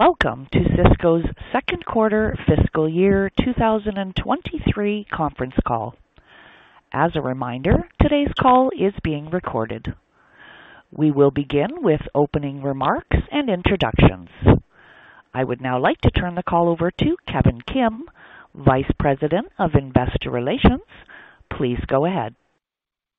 Welcome to Sysco's second quarter fiscal year 2023 conference call. As a reminder, today's call is being recorded. We will begin with opening remarks and introductions. I would now like to turn the call over to Kevin Kim, Vice President of Investor Relations. Please go ahead.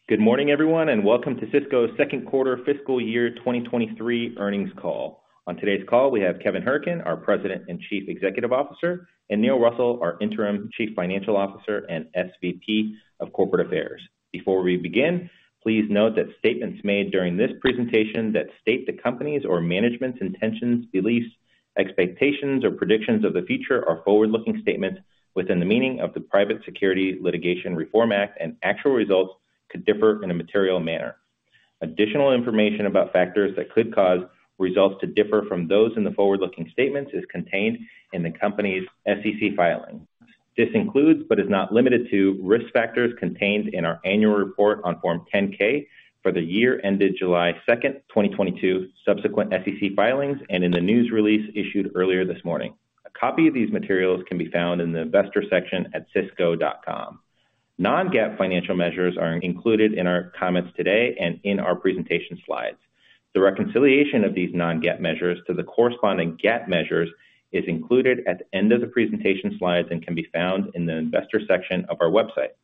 Good morning, everyone, and welcome to Sysco's second quarter fiscal year 2023 earnings call. On today's call, we have Kevin Hourican, our President and Chief Executive Officer, and Neil Russell, our interim Chief Financial Officer and SVP of Corporate Affairs. Before we begin, please note that statements made during this presentation that state the company's or management's intentions, beliefs, expectations, or predictions of the future are forward-looking statements within the meaning of the Private Securities Litigation Reform Act and actual results could differ in a material manner. Additional information about factors that could cause results to differ from those in the forward-looking statements is contained in the company's SEC filing. This includes, but is not limited to, risk factors contained in our annual report on Form 10-K for the year ended July 2nd, 2022, subsequent SEC filings, and in the news release issued earlier this morning. A copy of these materials can be found in the Investor section at sysco.com. Non-GAAP financial measures are included in our comments today and in our presentation slides. The reconciliation of these Non-GAAP measures to the corresponding GAAP measures is included at the end of the presentation slides and can be found in the Investor section of our website.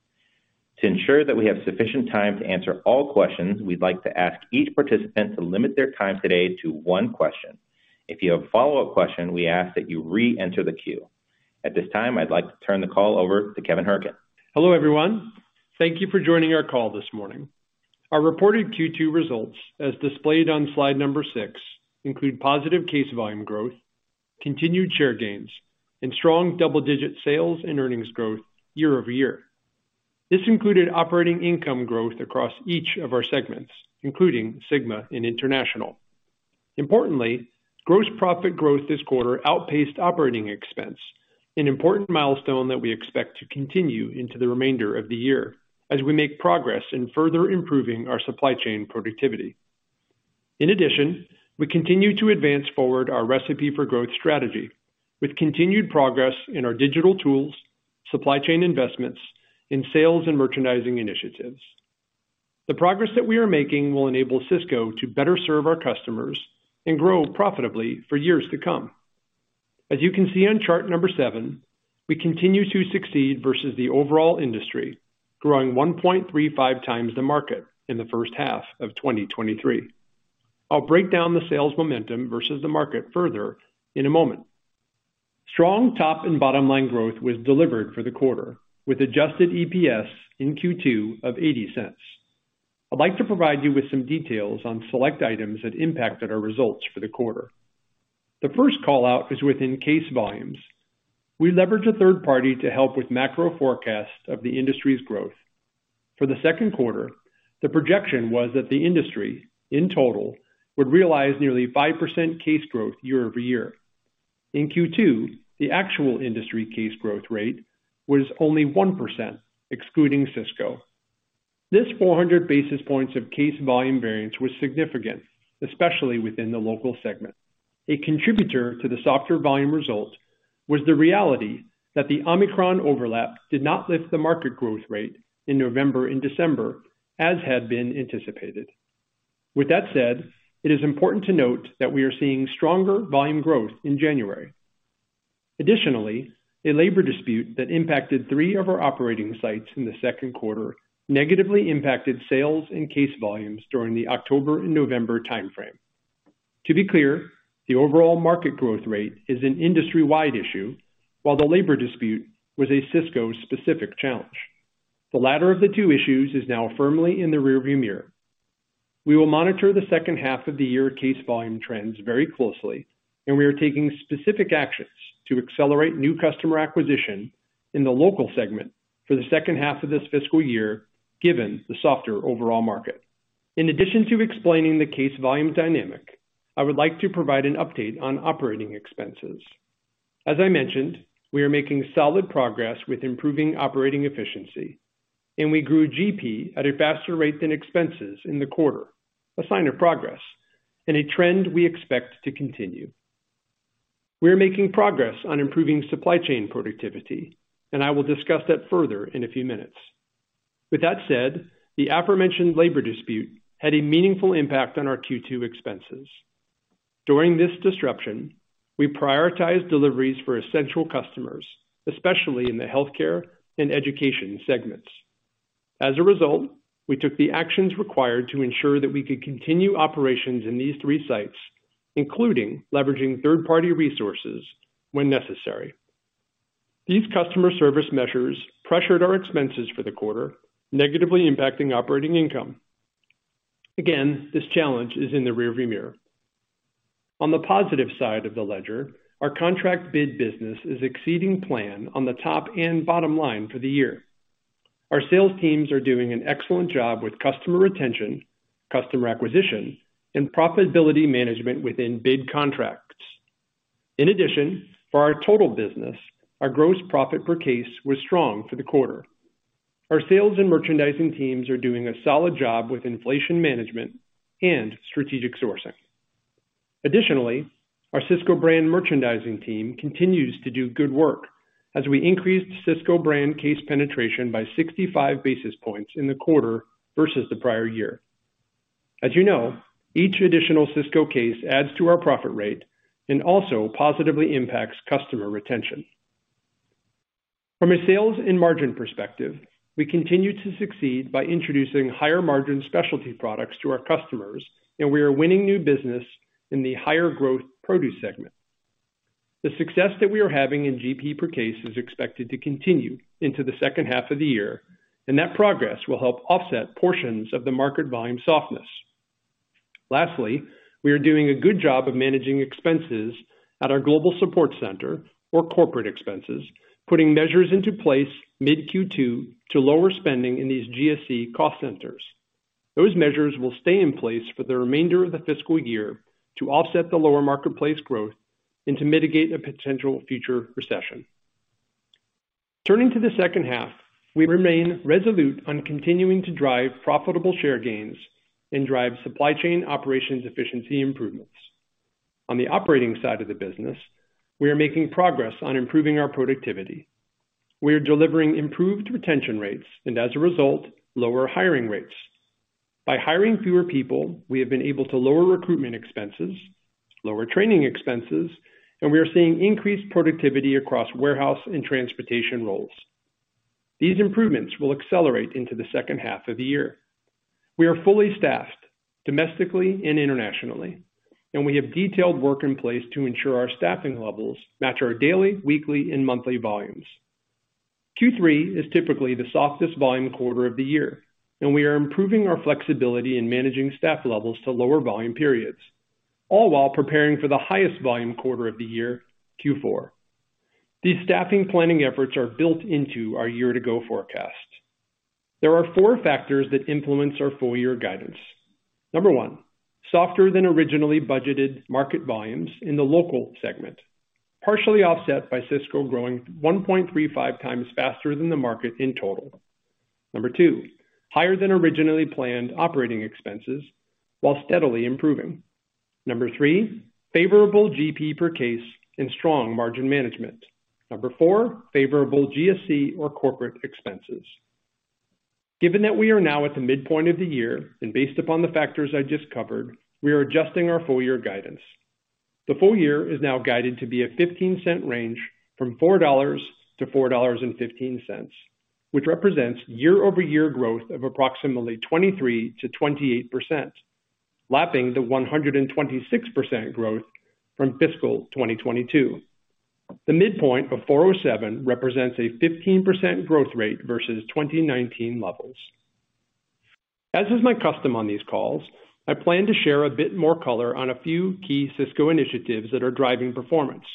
To ensure that we have sufficient time to answer all questions, we'd like to ask each participant to limit their time today to one question. If you have a follow-up question, we ask that you re-enter the queue. At this time, I'd like to turn the call over to Kevin Hourican. Hello, everyone. Thank you for joining our call this morning. Our reported Q2 results, as displayed on slide number six, include positive case volume growth, continued share gains, and strong double-digit sales and earnings growth year-over-year. This included operating income growth across each of our segments, including SYGMA and International. Gross profit growth this quarter outpaced operating expense, an important milestone that we expect to continue into the remainder of the year as we make progress in further improving our supply chain productivity. In addition, we continue to advance forward our Recipe For Growth strategy with continued progress in our digital tools, supply chain investments in sales and merchandising initiatives. The progress that we are making will enable Sysco to better serve our customers and grow profitably for years to come. As you can see on chart number seven, we continue to succeed versus the overall industry, growing 1.35x the market in the first half of 2023. I'll break down the sales momentum versus the market further in a moment. Strong top and bottom-line growth was delivered for the quarter, with adjusted EPS in Q2 of $0.80. I'd like to provide you with some details on select items that impacted our results for the quarter. The first call-out is within case volumes. We leveraged a third party to help with macro forecasts of the industry's growth. For the second quarter, the projection was that the industry, in total, would realize nearly 5% case growth year-over-year. In Q2, the actual industry case growth rate was only 1%, excluding Sysco. This 400 basis points of case volume variance was significant, especially within the local segment. A contributor to the softer volume result was the reality that the Omicron overlap did not lift the market growth rate in November and December as had been anticipated. With that said, it is important to note that we are seeing stronger volume growth in January. A labor dispute that impacted three of our operating sites in the second quarter negatively impacted sales and case volumes during the October and November timeframe. To be clear, the overall market growth rate is an industry-wide issue, while the labor dispute was a Sysco specific challenge. The latter of the two issues is now firmly in the rearview mirror. We will monitor the second half of the year case volume trends very closely. We are taking specific actions to accelerate new customer acquisition in the local segment for the second half of this fiscal year, given the softer overall market. In addition to explaining the case volume dynamic, I would like to provide an update on operating expenses. As I mentioned, we are making solid progress with improving operating efficiency. We grew GP at a faster rate than expenses in the quarter, a sign of progress and a trend we expect to continue. We are making progress on improving supply chain productivity. I will discuss that further in a few minutes. With that said, the aforementioned labor dispute had a meaningful impact on our Q2 expenses. During this disruption, we prioritized deliveries for essential customers, especially in the Healthcare and Education segments. As a result, we took the actions required to ensure that we could continue operations in these three sites, including leveraging third-party resources when necessary. These customer service measures pressured our expenses for the quarter, negatively impacting operating income. Again, this challenge is in the rearview mirror. On the positive side of the ledger, our contract bid business is exceeding plan on the top and bottom line for the year. Our sales teams are doing an excellent job with customer retention, customer acquisition, and profitability management within bid contracts. In addition, for our total business, our gross profit per case was strong for the quarter. Our sales and merchandising teams are doing a solid job with inflation management and strategic sourcing. Our Sysco Brand merchandising team continues to do good work as we increased Sysco Brand case penetration by 65 basis points in the quarter versus the prior year. As you know, each additional Sysco case adds to our profit rate and also positively impacts customer retention. From a sales and margin perspective, we continue to succeed by introducing higher margin specialty products to our customers, and we are winning new business in the higher growth produce segment. The success that we are having in GP per case is expected to continue into the second half of the year, and that progress will help offset portions of the market volume softness. Lastly, we are doing a good job of managing expenses at our Global Support Center or corporate expenses, putting measures into place mid-Q2 to lower spending in these GSE cost centers. Those measures will stay in place for the remainder of the fiscal year to offset the lower marketplace growth and to mitigate a potential future recession. Turning to the second half, we remain resolute on continuing to drive profitable share gains and drive supply chain operations efficiency improvements. On the operating side of the business, we are making progress on improving our productivity. We are delivering improved retention rates and as a result, lower hiring rates. By hiring fewer people, we have been able to lower recruitment expenses, lower training expenses, and we are seeing increased productivity across warehouse and transportation roles. These improvements will accelerate into the second half of the year. We are fully staffed domestically and internationally, and we have detailed work in place to ensure our staffing levels match our daily, weekly, and monthly volumes. Q3 is typically the softest volume quarter of the year, and we are improving our flexibility in managing staff levels to lower volume periods, all while preparing for the highest volume quarter of the year, Q4. These staffing planning efforts are built into our year to go forecast. There are four factors that influence our full year guidance. Number one, softer than originally budgeted market volumes in the local segment, partially offset by Sysco growing 1.35x faster than the market in total. Number two, higher than originally planned operating expenses while steadily improving. Number three, favorable GP per case and strong margin management. Number four, favorable GSE or corporate expenses. Given that we are now at the midpoint of the year and based upon the factors I just covered, we are adjusting our full year guidance. The full year is now guided to be a $0.15 range from $4.00-$4.15, which represents year-over-year growth of approximately 23%-28%, lapping the 126% growth from fiscal 2022. The midpoint of 407 represents a 15% growth rate versus 2019 levels. As is my custom on these calls, I plan to share a bit more color on a few key Sysco initiatives that are driving performance.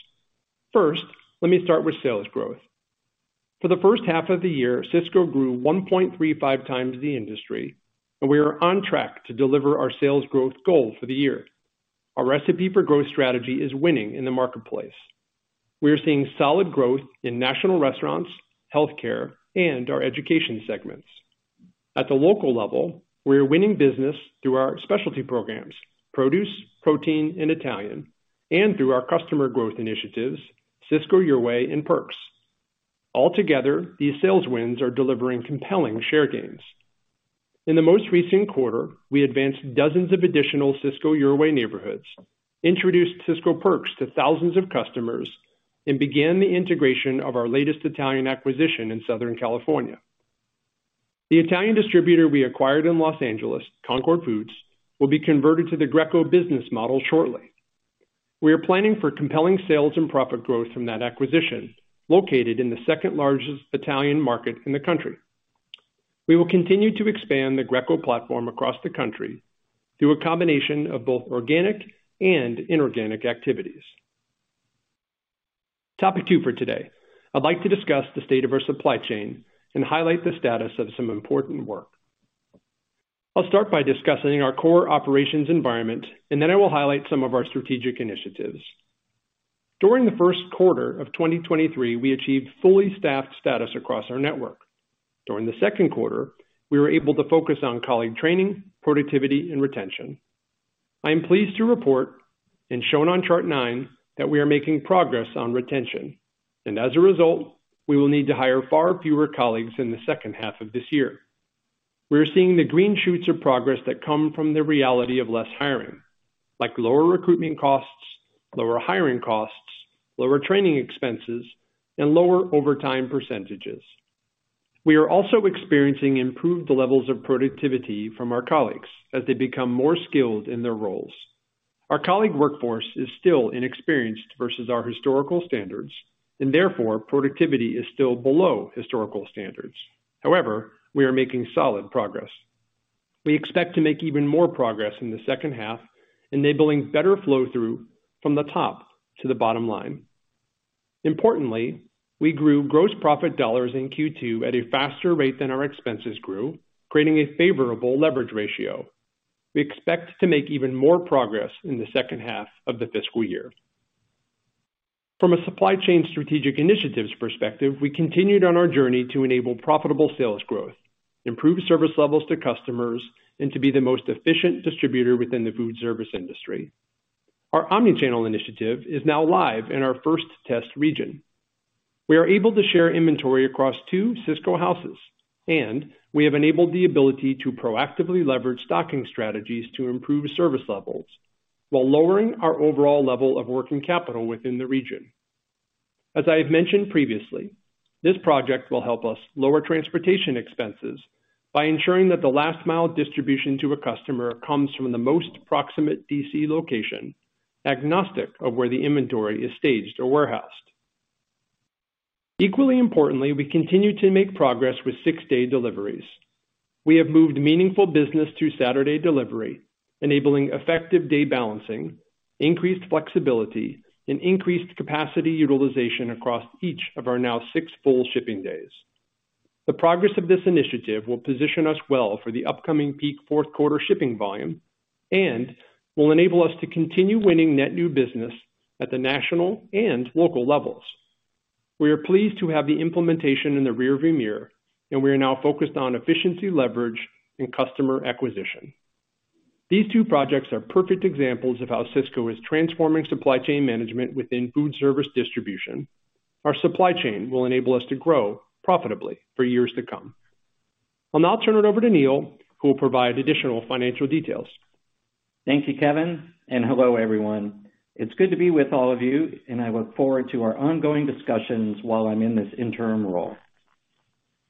First, let me start with sales growth. For the first half of the year, Sysco grew 1.35x the industry, and we are on track to deliver our sales growth goal for the year. Our Recipe For Growth strategy is winning in the marketplace. We are seeing solid growth in national restaurants, healthcare, and our education segments. At the local level, we are winning business through our specialty programs: Produce, Protein, and Italian, and through our customer growth initiatives, Sysco Your Way and Perks. Altogether, these sales wins are delivering compelling share gains. In the most recent quarter, we advanced dozens of additional Sysco Your Way neighborhoods, introduced Sysco Perks to thousands of customers, began the integration of our latest Italian acquisition in Southern California. The Italian distributor we acquired in Los Angeles, Concord Foods, will be converted to the Greco business model shortly. We are planning for compelling sales and profit growth from that acquisition located in the second largest Italian market in the country. We will continue to expand the Greco platform across the country through a combination of both organic and inorganic activities. Topic two for today, I'd like to discuss the state of our supply chain and highlight the status of some important work. I'll start by discussing our core operations environment, then I will highlight some of our strategic initiatives. During the first quarter of 2023, we achieved fully staffed status across our network. During the second quarter, we were able to focus on colleague training, productivity and retention. I am pleased to report and shown on chart nine, that we are making progress on retention. As a result, we will need to hire far fewer colleagues in the second half of this year. We are seeing the green shoots of progress that come from the reality of less hiring, like lower recruitment costs, lower hiring costs, lower training expenses, and lower overtime percentages. We are also experiencing improved levels of productivity from our colleagues as they become more skilled in their roles. Our colleague workforce is still inexperienced versus our historical standards and therefore productivity is still below historical standards. However, we are making solid progress. We expect to make even more progress in the second half, enabling better flow through from the top to the bottom line. Importantly, we grew gross profit dollars in Q2 at a faster rate than our expenses grew, creating a favorable leverage ratio. We expect to make even more progress in the second half of the fiscal year. From a supply chain strategic initiatives perspective, we continued on our journey to enable profitable sales growth, improve service levels to customers, and to be the most efficient distributor within the food service industry. Our Omni-channel initiative is now live in our first test region. We are able to share inventory across two Sysco houses, and we have enabled the ability to proactively leverage stocking strategies to improve service levels while lowering our overall level of working capital within the region. As I have mentioned previously, this project will help us lower transportation expenses by ensuring that the last mile distribution to a customer comes from the most proximate DC location, agnostic of where the inventory is staged or warehoused. Equally importantly, we continue to make progress with six-day deliveries. We have moved meaningful business to Saturday delivery, enabling effective day balancing, increased flexibility, and increased capacity utilization across each of our now six full shipping days. The progress of this initiative will position us well for the upcoming peak fourth quarter shipping volume and will enable us to continue winning net new business at the national and local levels. We are pleased to have the implementation in the rearview mirror, and we are now focused on efficiency leverage and customer acquisition. These two projects are perfect examples of how Sysco is transforming supply chain management within Food Service distribution. Our supply chain will enable us to grow profitably for years to come. I'll now turn it over to Neil, who will provide additional financial details. Thank you, Kevin, and hello, everyone. It's good to be with all of you, and I look forward to our ongoing discussions while I'm in this interim role.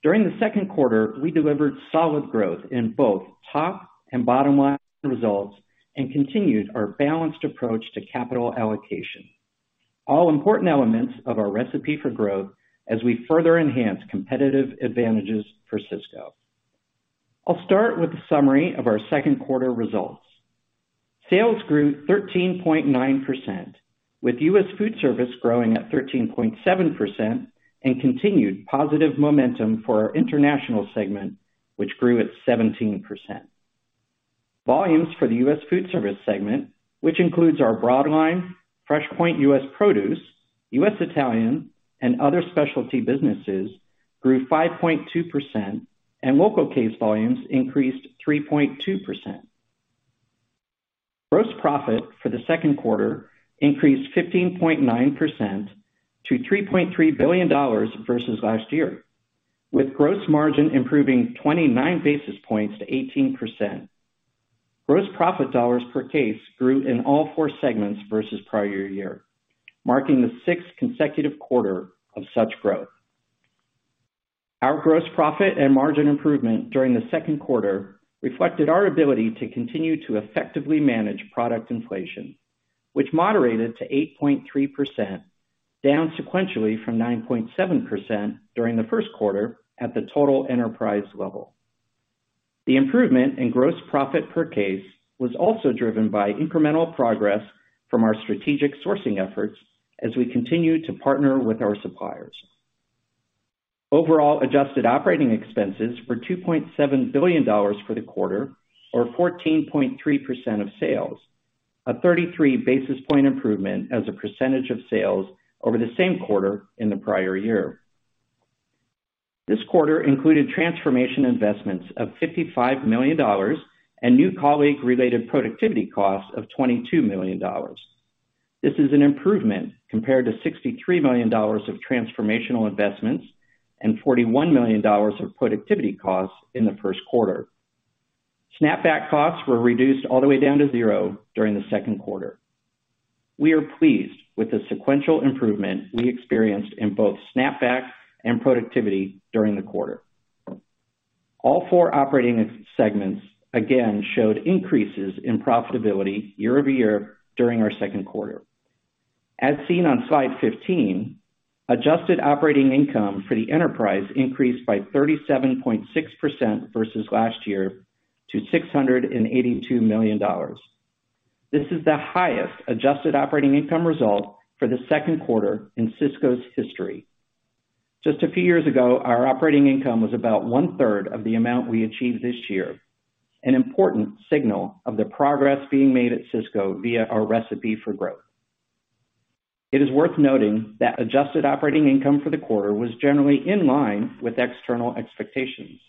During the second quarter, we delivered solid growth in both top and bottom-line results and continued our balanced approach to capital allocation, all important elements of our Recipe For Growth as we further enhance competitive advantages for Sysco. I'll start with a summary of our second quarter results. Sales grew 13.9%, with U.S. Food Service growing at 13.7% and continued positive momentum for our international segment, which grew at 17%. Volumes for the U.S. Food Service segment, which includes our Broadline, FreshPoint U.S. Produce, U.S. Italian, and other specialty businesses, grew 5.2%, and local case volumes increased 3.2%. Gross profit for the second quarter increased 15.9% to $3.3 billion versus last year, with gross margin improving 29 basis points to 18%. Gross profit dollars per case grew in all four segments versus prior year, marking the sixth consecutive quarter of such growth. Our gross profit and margin improvement during the second quarter reflected our ability to continue to effectively manage product inflation, which moderated to 8.3%, down sequentially from 9.7% during the first quarter at the total enterprise level. The improvement in gross profit per case was also driven by incremental progress from our strategic sourcing efforts as we continue to partner with our suppliers. Overall adjusted operating expenses were $2.7 billion for the quarter, or 14.3% of sales, a 33 basis point improvement as a percentage of sales over the same quarter in the prior year. This quarter included transformation investments of $55 million and new colleague-related productivity costs of $22 million. This is an improvement compared to $63 million of transformational investments and $41 million of productivity costs in the first quarter. Snapback costs were reduced all the way down to zero during the second quarter. We are pleased with the sequential improvement we experienced in both snapback and productivity during the quarter. All four operating segments again showed increases in profitability year-over-year during our second quarter. As seen on slide 15, adjusted operating income for the enterprise increased by 37.6% versus last year to $682 million. This is the highest adjusted operating income result for the second quarter in Sysco's history. Just a few years ago, our operating income was about one-third of the amount we achieved this year, an important signal of the progress being made at Sysco via our Recipe For Growth. It is worth noting that adjusted operating income for the quarter was generally in line with external expectations.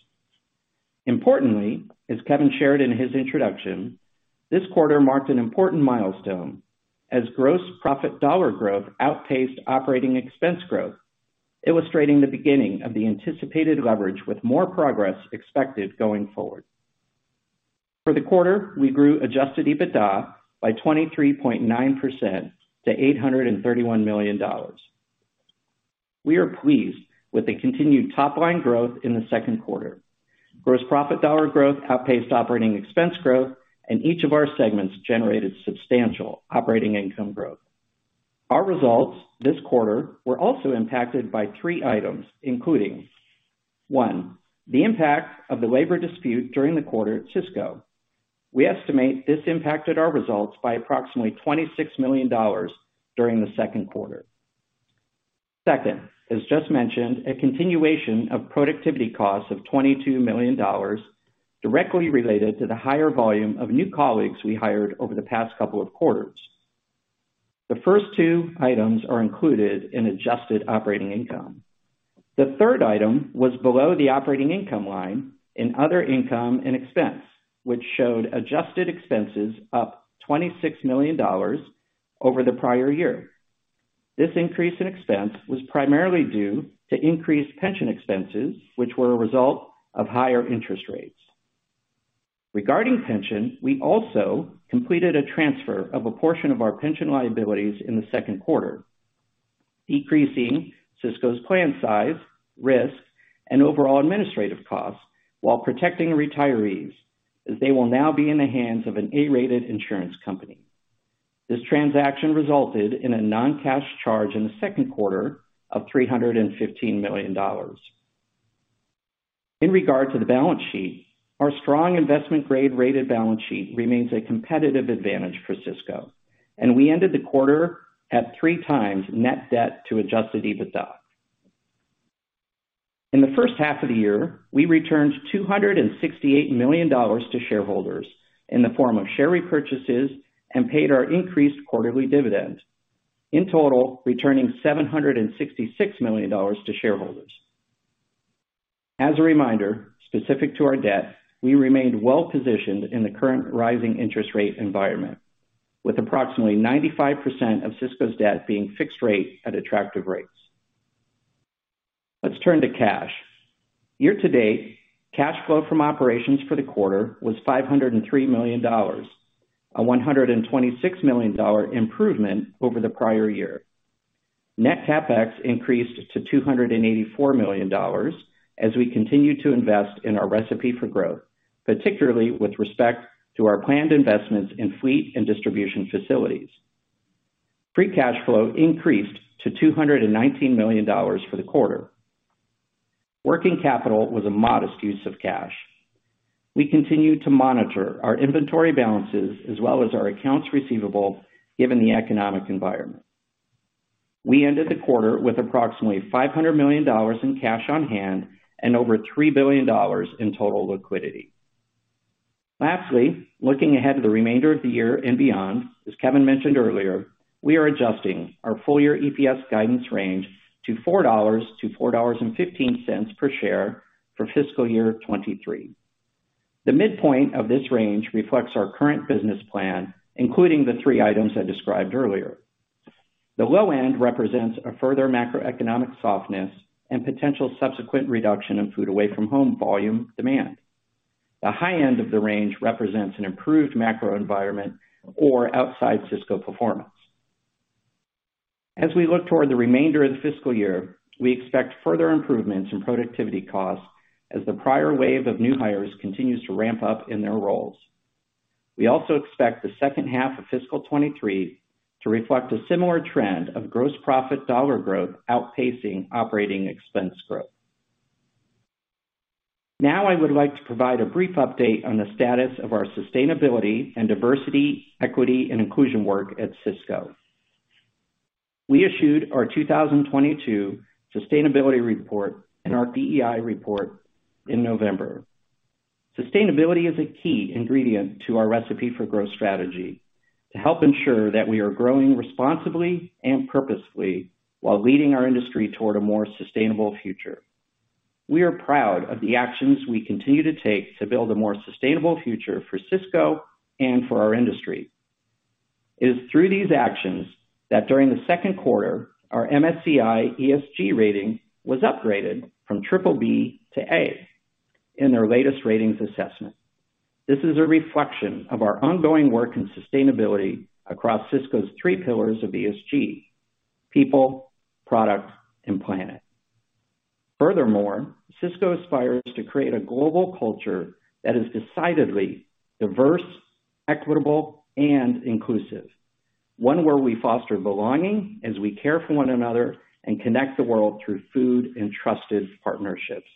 Importantly, as Kevin shared in his introduction, this quarter marked an important milestone as gross profit dollar growth outpaced operating expense growth, illustrating the beginning of the anticipated leverage with more progress expected going forward. For the quarter, we grew adjusted EBITDA by 23.9% to $831 million. We are pleased with the continued top-line growth in the second quarter. Gross profit dollar growth outpaced operating expense growth, and each of our segments generated substantial operating income growth. Our results this quarter were also impacted by three items, including, one, the impact of the labor dispute during the quarter at Sysco. We estimate this impacted our results by approximately $26 million during the second quarter. Second, as just mentioned, a continuation of productivity costs of $22 million directly related to the higher volume of new colleagues we hired over the past couple of quarters. The first two items are included in adjusted operating income. The third item was below the operating income line in other income and expense, which showed adjusted expenses up $26 million over the prior year. This increase in expense was primarily due to increased pension expenses, which were a result of higher interest rates. Regarding pension, we also completed a transfer of a portion of our pension liabilities in the second quarter, decreasing Sysco's plan size, risk, and overall administrative costs while protecting retirees, as they will now be in the hands of an A-rated insurance company. This transaction resulted in a non-cash charge in the second quarter of $315 million. In regard to the balance sheet, our strong investment grade rated balance sheet remains a competitive advantage for Sysco, and we ended the quarter at 3x net debt to adjusted EBITDA. In the first half of the year, we returned $268 million to shareholders in the form of share repurchases and paid our increased quarterly dividend, in total, returning $766 million to shareholders. As a reminder, specific to our debt, we remained well-positioned in the current rising interest rate environment, with approximately 95% of Sysco's debt being fixed rate at attractive rates. Let's turn to cash. Year to date, cash flow from operations for the quarter was $503 million, a $126 million improvement over the prior year. Net CapEx increased to $284 million as we continued to invest in our Recipe For Growth, particularly with respect to our planned investments in fleet and distribution facilities. Free cash flow increased to $219 million for the quarter. Working capital was a modest use of cash. We continued to monitor our inventory balances as well as our accounts receivable given the economic environment. We ended the quarter with approximately $500 million in cash on hand and over $3 billion in total liquidity. Looking ahead to the remainder of the year and beyond, as Kevin mentioned earlier, we are adjusting our full year EPS guidance range to $4.00-$4.15 per share for fiscal year 2023. The midpoint of this range reflects our current business plan, including the three items I described earlier. The low end represents a further macroeconomic softness and potential subsequent reduction in food away from home volume demand. The high end of the range represents an improved macro environment or outside Sysco performance. As we look toward the remainder of the fiscal year, we expect further improvements in productivity costs as the prior wave of new hires continues to ramp up in their roles. We also expect the second half of fiscal 2023 to reflect a similar trend of gross profit dollar growth outpacing operating expense growth. Now I would like to provide a brief update on the status of our sustainability and diversity, equity and inclusion work at Sysco. We issued our 2022 sustainability report and our DEI report in November. Sustainability is a key ingredient to our Recipe For Growth strategy to help ensure that we are growing responsibly and purposefully while leading our industry toward a more sustainable future. We are proud of the actions we continue to take to build a more sustainable future for Sysco and for our industry. It is through these actions that during the second quarter, our MSCI ESG rating was upgraded from triple B to A in their latest ratings assessment. This is a reflection of our ongoing work in sustainability across Sysco's three pillars of ESG: People, Product, and Planet. Furthermore, Sysco aspires to create a global culture that is decidedly diverse, equitable, and inclusive. One where we foster belonging as we care for one another and connect the world through food and trusted partnerships.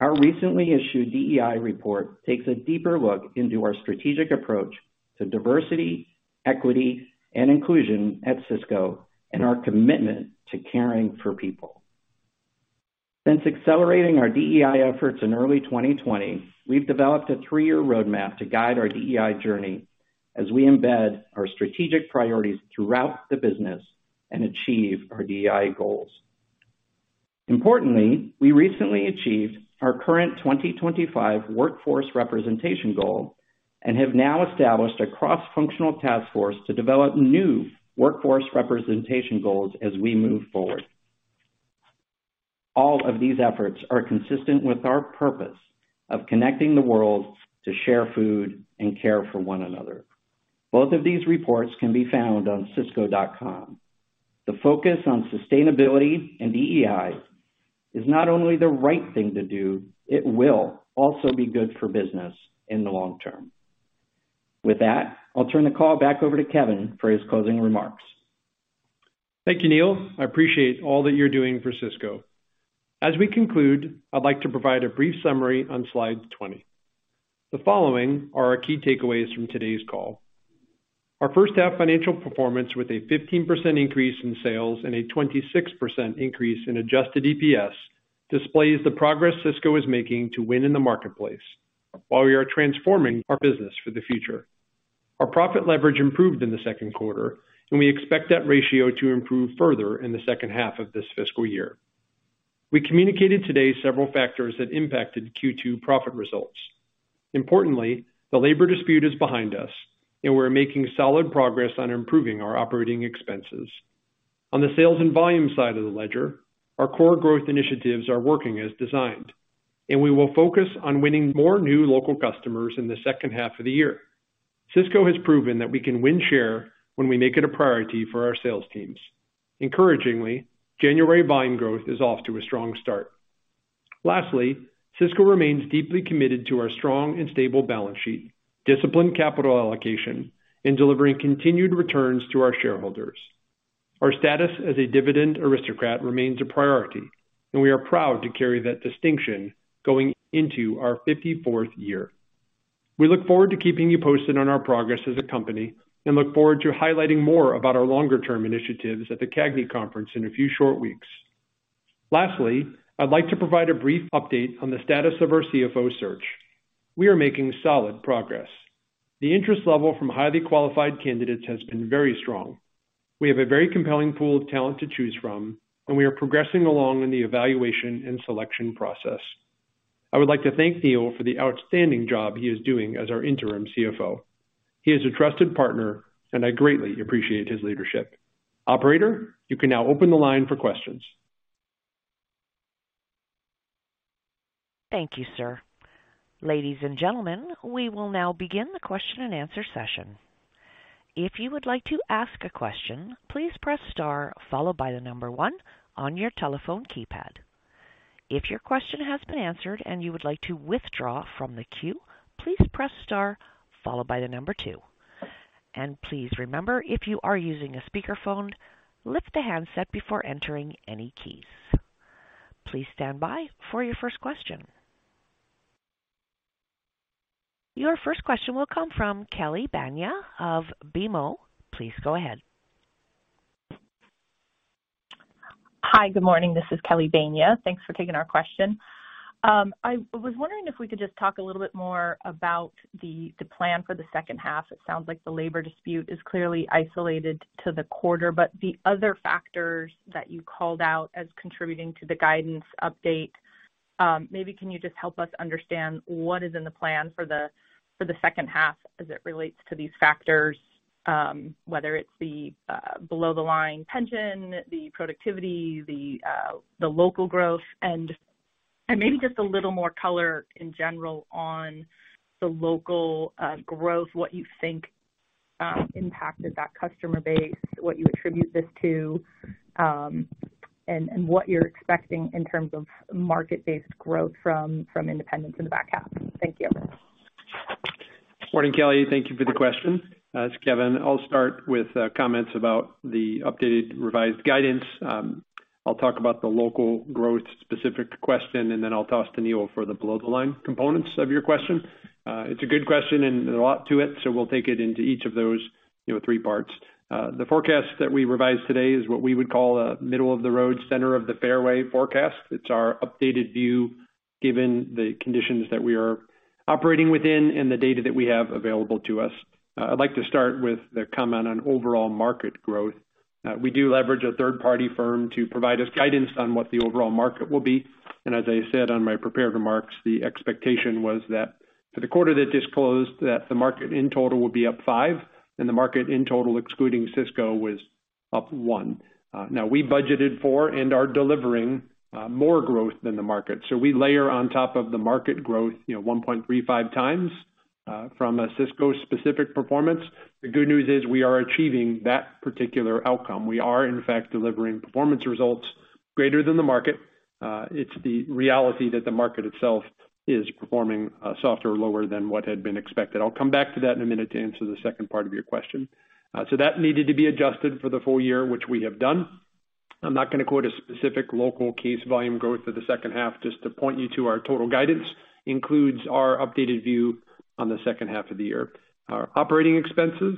Our recently issued DEI report takes a deeper look into our strategic approach to diversity, equity, and inclusion at Sysco and our commitment to caring for people. Since accelerating our DEI efforts in early 2020, we've developed a three-year roadmap to guide our DEI journey as we embed our strategic priorities throughout the business and achieve our DEI goals. Importantly, we recently achieved our current 2025 workforce representation goal and have now established a cross-functional task force to develop new workforce representation goals as we move forward. All of these efforts are consistent with our purpose of connecting the world to share food and care for one another. Both of these reports can be found on sysco.com. The focus on sustainability and DEI is not only the right thing to do, it will also be good for business in the long term. With that, I'll turn the call back over to Kevin for his closing remarks. Thank you, Neil. I appreciate all that you're doing for Sysco. As we conclude, I'd like to provide a brief summary on slide 20. The following are our key takeaways from today's call. Our first half financial performance with a 15% increase in sales and a 26% increase in adjusted EPS displays the progress Sysco is making to win in the marketplace while we are transforming our business for the future. Our profit leverage improved in the second quarter, and we expect that ratio to improve further in the second half of this fiscal year. We communicated today several factors that impacted Q2 profit results. Importantly, the labor dispute is behind us and we're making solid progress on improving our operating expenses. On the sales and volume side of the ledger, our core growth initiatives are working as designed, and we will focus on winning more new local customers in the second half of the year. Sysco has proven that we can win share when we make it a priority for our sales teams. Encouragingly, January buying growth is off to a strong start. Lastly, Sysco remains deeply committed to our strong and stable balance sheet, disciplined capital allocation and delivering continued returns to our shareholders. Our status as a dividend aristocrat remains a priority, and we are proud to carry that distinction going into our 54th year. We look forward to keeping you posted on our progress as a company and look forward to highlighting more about our longer-term initiatives at the CAGNY conference in a few short weeks. Lastly, I'd like to provide a brief update on the status of our CFO search. We are making solid progress. The interest level from highly qualified candidates has been very strong. We have a very compelling pool of talent to choose from, and we are progressing along in the evaluation and selection process. I would like to thank Neil for the outstanding job he is doing as our Interim CFO. He is a trusted partner and I greatly appreciate his leadership. Operator, you can now open the line for questions. Thank you, sir. Ladies and gentlemen, we will now begin the question-and-answer session. If you would like to ask a question, please press star followed by the number one on your telephone keypad. If your question has been answered and you would like to withdraw from the queue, please press star followed by the number two. Please remember, if you are using a speakerphone, lift the handset before entering any keys. Please stand by for your first question. Your first question will come from Kelly Bania of BMO. Please go ahead. Hi. Good morning. This is Kelly Bania. Thanks for taking our question. I was wondering if we could just talk a little bit more about the plan for the second half. It sounds like the labor dispute is clearly isolated to the quarter. The other factors that you called out as contributing to the guidance update, maybe can you just help us understand what is in the plan for the second half as it relates to these factors, whether it's the below the line pension, the productivity, the local growth, and maybe just a little more color in general on the local growth, what you think impacted that customer base, what you attribute this to, and what you're expecting in terms of market-based growth from independents in the back half. Thank you. Morning, Kelly. Thank you for the question. It's Kevin. I'll start with comments about the updated revised guidance. I'll talk about the local growth specific question, and then I'll toss to Neil for the below the line components of your question. It's a good question and there's a lot to it, so we'll take it into each of those, you know, three parts. The forecast that we revised today is what we would call a middle of the road, center of the fairway forecast. It's our updated view, given the conditions that we are operating within and the data that we have available to us. I'd like to start with the comment on overall market growth. We do leverage a third-party firm to provide us guidance on what the overall market will be. As I said on my prepared remarks, the expectation was that for the quarter that just closed, that the market in total would be up 5% and the market in total excluding Sysco was up 1%. Now we budgeted for and are delivering more growth than the market. We layer on top of the market growth, you know, 1.35x from a Sysco specific performance. The good news is we are achieving that particular outcome. We are in fact delivering performance results greater than the market. It's the reality that the market itself is performing softer, lower than what had been expected. I'll come back to that in a minute to answer the second part of your question. That needed to be adjusted for the full year, which we have done. I'm not going to quote a specific local case volume growth for the second half. Just to point you to our total guidance includes our updated view on the second half of the year. Our operating expenses,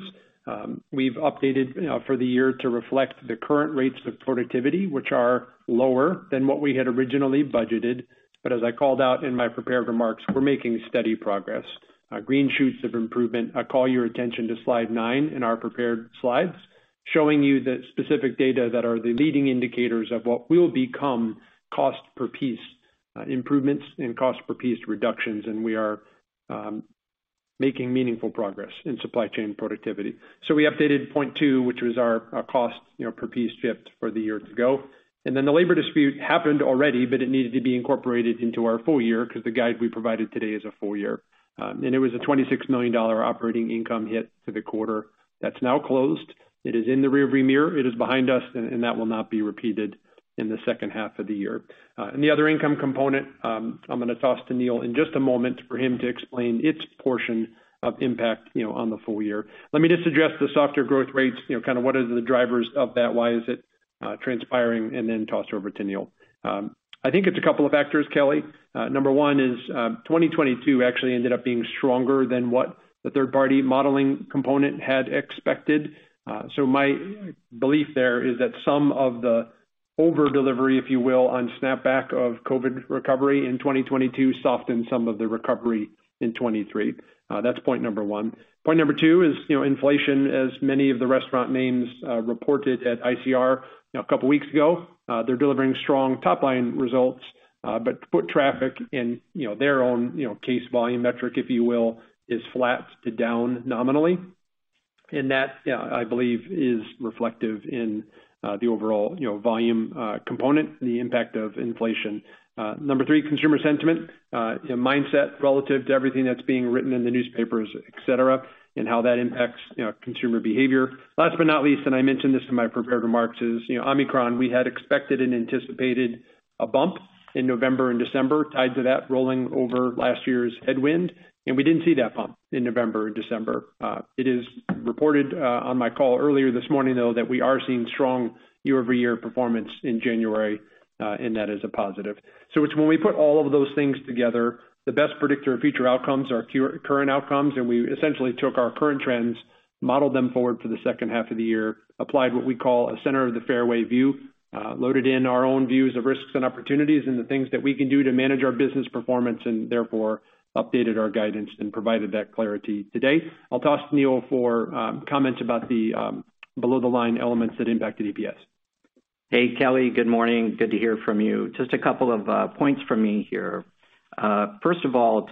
we've updated, you know, for the year to reflect the current rates of productivity, which are lower than what we had originally budgeted. As I called out in my prepared remarks, we're making steady progress. Green shoots of improvement. I call your attention to slide nine in our prepared slides, showing you the specific data that are the leading indicators of what will become cost per piece improvements and cost per piece reductions. We are making meaningful progress in supply chain productivity. We updated point two, which was our cost, you know, per piece shipped for the year to go. The labor dispute happened already, but it needed to be incorporated into our full year because the guide we provided today is a full year. It was a $26 million operating income hit to the quarter. That's now closed. It is in the rearview mirror. It is behind us. That will not be repeated in the second half of the year. The other income component, I'm going to toss to Neil in just a moment for him to explain its portion of impact, you know, on the full year. Let me just address the softer growth rates. You know, kind of what are the drivers of that? Why is it transpiring and then toss it over to Neil? I think it's a couple of factors, Kelly. Number one is, 2022 actually ended up being stronger than what the third party modeling component had expected. My belief there is that some of the over delivery, if you will, on snapback of COVID recovery in 2022 softened some of the recovery in 2023. That's point number one. Point number two is, you know, inflation, as many of the restaurant names, reported at ICR a couple weeks ago, they're delivering strong top-line results, but foot traffic in, you know, their own, you know, case volume metric, if you will, is flat to down nominally. That, I believe is reflective in the overall, you know, volume, component and the impact of inflation. Number three, consumer sentiment, mindset relative to everything that's being written in the newspapers, et cetera, and how that impacts, you know, consumer behavior. Last but not least, I mentioned this in my prepared remarks, is Omicron. We had expected and anticipated a bump in November and December tied to that rolling over last year's headwind, and we didn't see that bump in November or December. It is reported on my call earlier this morning, though, that we are seeing strong year-over-year performance in January, and that is a positive. It's when we put all of those things together, the best predictor of future outcomes are current outcomes. We essentially took our current trends, modeled them forward for the second half of the year, applied what we call a center of the fairway view, loaded in our own views of risks and opportunities and the things that we can do to manage our business performance, and therefore updated our guidance and provided that clarity today. I'll toss to Neil for comments about the below the line elements that impact the EPS. Hey, Kelly, good morning. Good to hear from you. Just a couple of points from me here.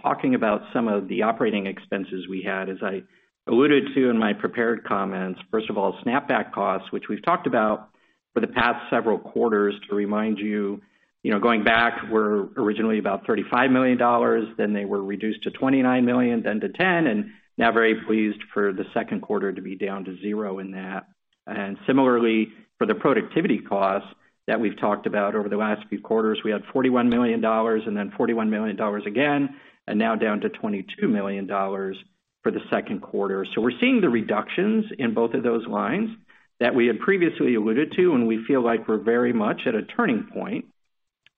Talking about some of the operating expenses we had, as I alluded to in my prepared comments. Snapback costs, which we've talked about for the past several quarters. To remind you know, going back, were originally about $35 million, then they were reduced to $29 million, then to $10 million, and now very pleased for the second quarter to be down to zero in that. Similarly, for the productivity costs that we've talked about over the last few quarters, we had $41 million and then $41 million again, and now down to $22 million for the second quarter. We're seeing the reductions in both of those lines that we had previously alluded to. We feel like we're very much at a turning point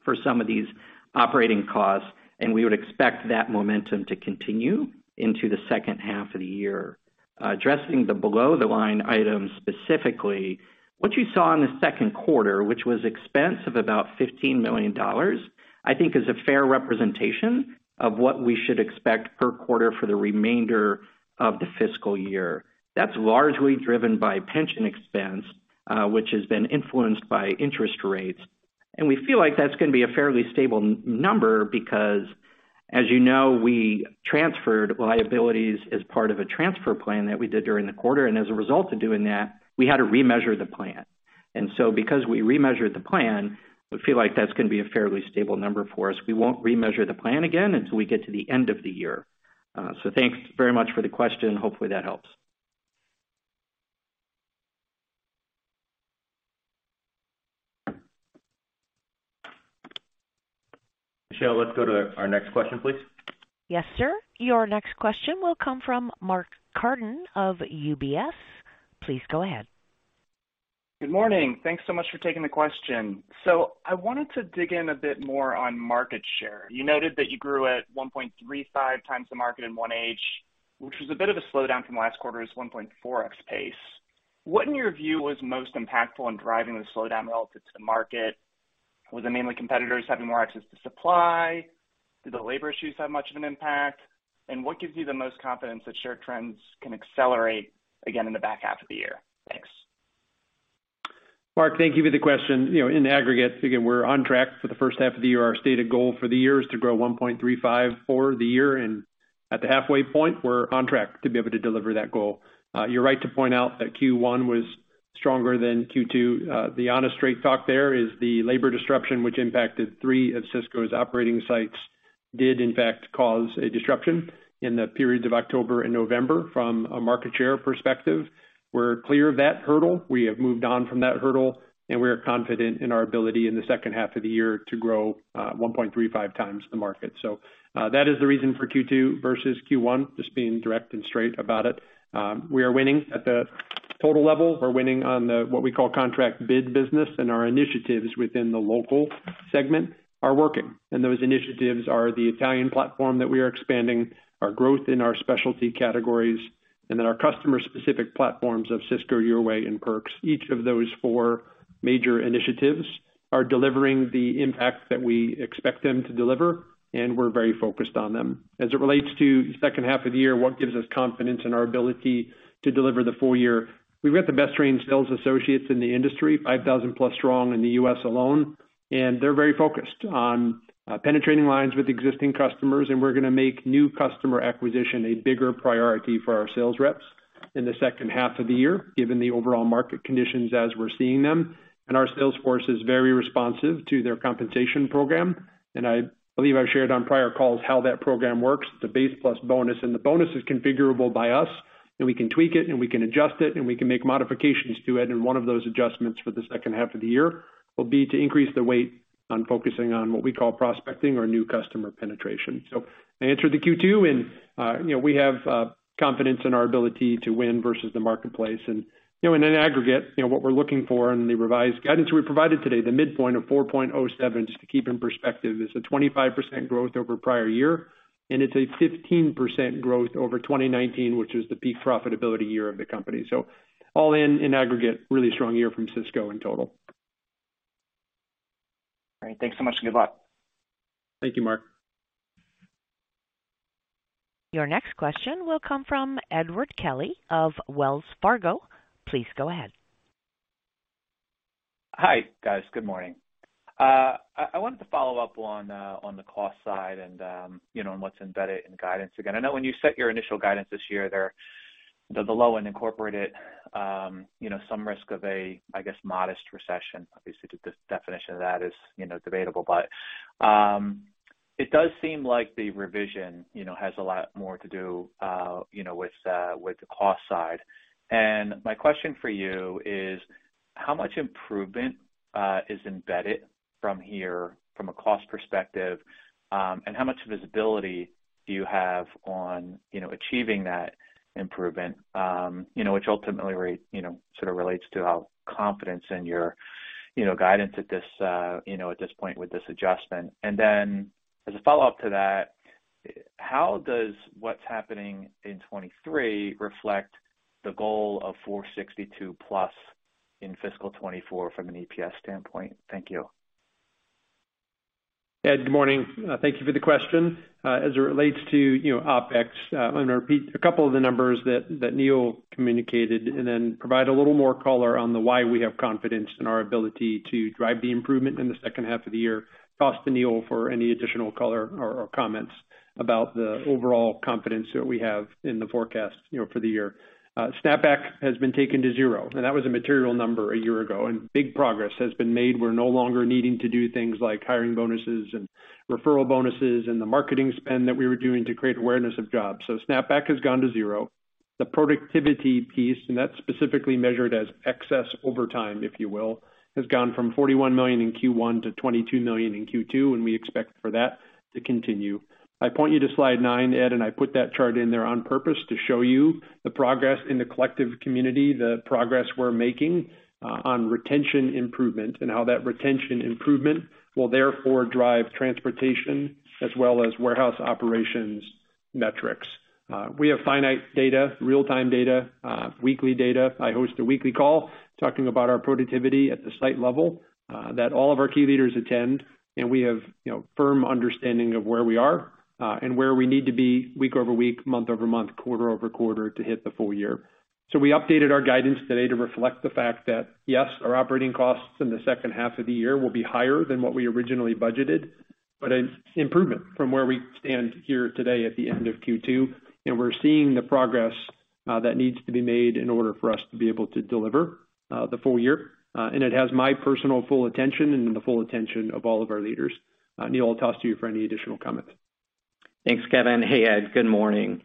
for some of these operating costs. We would expect that momentum to continue into the second half of the year. Addressing the below the line items specifically, what you saw in the second quarter, which was expense of about $15 million, I think is a fair representation of what we should expect per quarter for the remainder of the fiscal year. That's largely driven by pension expense, which has been influenced by interest rates. We feel like that's going to be a fairly stable number because, as you know, we transferred liabilities as part of a transfer plan that we did during the quarter, and as a result of doing that, we had to remeasure the plan. Because we remeasured the plan, we feel like that's going to be a fairly stable number for us. We won't remeasure the plan again until we get to the end of the year. Thanks very much for the question. Hopefully, that helps. Michelle, let's go to our next question, please. Yes, Sir. Your next question will come from Mark Carden of UBS. Please go ahead. Good morning. Thanks so much for taking the question. I wanted to dig in a bit more on market share. You noted that you grew at 1.35x the market in 1H, which was a bit of a slowdown from last quarter's 1.4x pace. What in your view, was most impactful in driving the slowdown relative to the market? Was it mainly competitors having more access to supply? Did the labor issues have much of an impact? What gives you the most confidence that share trends can accelerate again in the back half of the year? Thanks. Mark, thank you for the question. You know, in aggregate, again, we're on track for the first half of the year. Our stated goal for the year is to grow 1.35 for the year, and at the halfway point, we're on track to be able to deliver that goal. You're right to point out that Q1 was stronger than Q2. The honest straight talk there is the labor disruption which impacted three of Sysco's operating sites did in fact, cause a disruption in the periods of October and November. From a market share perspective, we're clear of that hurdle. We have moved on from that hurdle, and we are confident in our ability in the second half of the year to grow, 1.35x the market. That is the reason for Q2 versus Q1. Just being direct and straight about it. We are winning at the total level. We're winning on the what we call contract bid business. Our initiatives within the local segment are working. Those initiatives are the Italian platform that we are expanding, our growth in our specialty categories, and then our customer specific platforms of Sysco Your Way and Perks. Each of those four major initiatives are delivering the impact that we expect them to deliver, and we're very focused on them. As it relates to second half of the year, what gives us confidence in our ability to deliver the full year, we've got the best trained sales associates in the industry, 5,000+ strong in the U.S. alone, and they're very focused on penetrating lines with existing customers. We're going to make new customer acquisition a bigger priority for our sales reps in the second half of the year, given the overall market conditions as we're seeing them. Our sales force is very responsive to their compensation program. I believe I've shared on prior calls how that program works. The base plus bonus, and the bonus is configurable by us, and we can tweak it and we can adjust it, and we can make modifications to it. One of those adjustments for the second half of the year will be to increase the weight on focusing on what we call prospecting or new customer penetration. I answered the Q2 and, you know, we have confidence in our ability to win versus the marketplace. You know, in an aggregate, you know, what we're looking for in the revised guidance we provided today, the midpoint of $4.07, just to keep in perspective, is a 25% growth over prior year, and it's a 15% growth over 2019, which is the peak profitability year of the company. All in aggregate, really strong year from Sysco in total. All right. Thanks so much and good luck. Thank you, Mark. Your next question will come from Edward Kelly of Wells Fargo. Please go ahead. Hi, guys. Good morning. I wanted to follow up on the cost side and, you know, what's embedded in guidance. Again, I know when you set your initial guidance this year there, the low end incorporated, you know, some risk of a, I guess, modest recession. Obviously, the definition of that is, you know, debatable. It does seem like the revision, you know, has a lot more to do, you know, with the cost side. My question for you is how much improvement is embedded from here from a cost perspective, and how much visibility do you have on, you know, achieving that improvement? You know, which ultimately rate, you know, sort of relates to how confidence in your, you know, guidance at this, you know, at this point with this adjustment. As a follow-up to that, how does what's happening in 2023 reflect the goal of $4.62+ in fiscal 2024 from an EPS standpoint? Thank you. Ed, good morning. Thank you for the question. As it relates to, you know, OpEx, I'm going to repeat a couple of the numbers that Neil communicated and then provide a little more color on the why we have confidence in our ability to drive the improvement in the second half of the year. Toss to Neil for any additional color or comments about the overall confidence that we have in the forecast, you know, for the year. Snapback has been taken to zero, and that was a material number a year ago, and big progress has been made. We're no longer needing to do things like hiring bonuses and referral bonuses and the marketing spend that we were doing to create awareness of jobs. Snapback has gone to zero. The productivity piece, and that's specifically measured as excess overtime, if you will, has gone from $41 million in Q1 to $22 million in Q2. We expect for that to continue. I point you to slide nine, Ed. I put that chart in there on purpose to show you the progress in the collective community, the progress we're making on retention improvement and how that retention improvement will therefore drive transportation as well as warehouse operations metrics. We have finite data, real-time data, weekly data. I host a weekly call talking about our productivity at the site level that all of our key leaders attend. We have, you know, firm understanding of where we are and where we need to be week over week, month over month, quarter over quarter to hit the full year. We updated our guidance today to reflect the fact that, yes, our operating costs in the second half of the year will be higher than what we originally budgeted, but an improvement from where we stand here today at the end of Q2. We're seeing the progress that needs to be made in order for us to be able to deliver the full year. It has my personal full attention and the full attention of all of our leaders. Neil, I'll toss to you for any additional comments. Thanks, Kevin. Hey, Ed, good morning.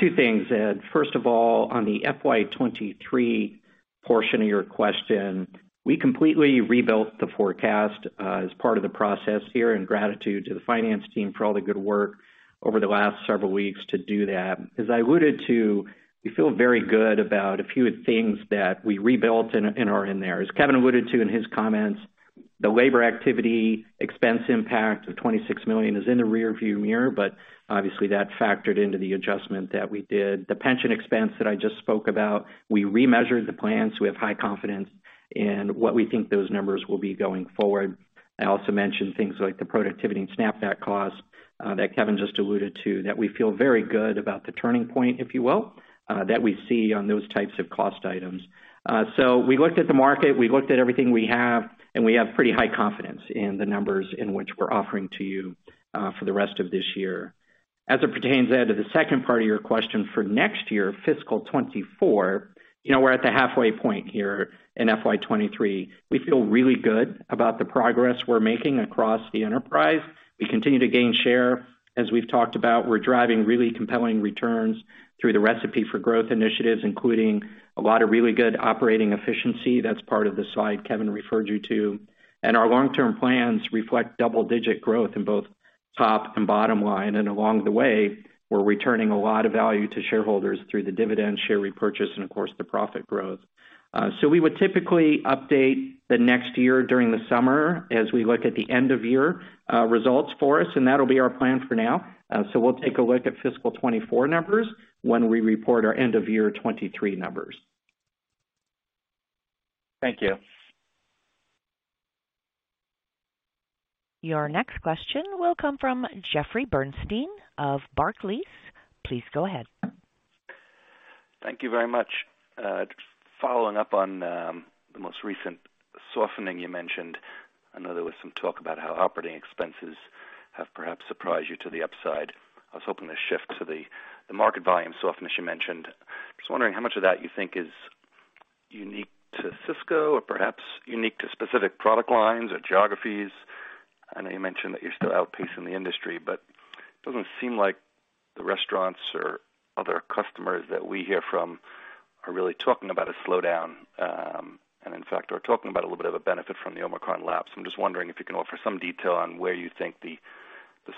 Two things, Ed. First of all, on the FY 2023 portion of your question, we completely rebuilt the forecast as part of the process here, in gratitude to the finance team for all the good work over the last several weeks to do that. As I alluded to, we feel very good about a few things that we rebuilt and are in there. As Kevin alluded to in his comments, the labor activity expense impact of $26 million is in the rearview mirror, obviously that factored into the adjustment that we did. The pension expense that I just spoke about, we remeasured the plans. We have high confidence in what we think those numbers will be going forward. I also mentioned things like the productivity and snapback costs, that Kevin just alluded to, that we feel very good about the turning point, if you will, that we see on those types of cost items. We looked at the market, we looked at everything we have, and we have pretty high confidence in the numbers in which we're offering to you, for the rest of this year. As it pertains, Ed, to the second part of your question for next year, fiscal 2024, you know, we're at the halfway point here in FY 2023. We feel really good about the progress we're making across the enterprise. We continue to gain share. As we've talked about, we're driving really compelling returns through the Recipe for Growth initiatives, including a lot of really good operating efficiency. That's part of the slide Kevin referred you to. Our long-term plans reflect double-digit growth in both top and bottom line. Along the way, we're returning a lot of value to shareholders through the dividend share repurchase and of course, the profit growth. We would typically update the next year during the summer as we look at the end of year results for us, and that'll be our plan for now. We'll take a look at fiscal 2024 numbers when we report our end of year 2023 numbers. Thank you. Your next question will come from Jeffrey Bernstein of Barclays. Please go ahead. Thank you very much. Following up on the most recent softening you mentioned, I know there was some talk about how operating expenses have perhaps surprised you to the upside. I was hoping to shift to the market volume softness you mentioned. Just wondering how much of that you think is unique to Sysco or perhaps unique to specific product lines or geographies. I know you mentioned that you're still outpacing the industry, but it doesn't seem like the restaurants or other customers that we hear from are really talking about a slowdown, and in fact, are talking about a little bit of a benefit from the Omicron lapse. I'm just wondering if you can offer some detail on where you think the